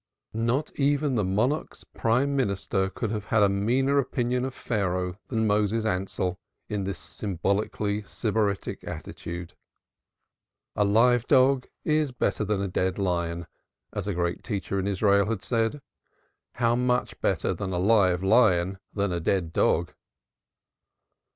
Not even the monarch's prime minister could have had a meaner opinion of Pharaoh than Moses Ansell in this symbolically sybaritic attitude. A live dog is better than a dead lion, as a great teacher in Israel had said. How much better then a live lion than a dead dog?